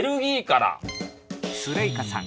スレイカさん